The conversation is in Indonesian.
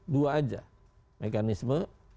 dua aja mekanisme